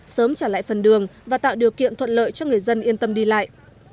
sớm trả lại phần đường và tạo điều kiện thuận lợi cho người dân yên tâm đi lại